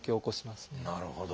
なるほど。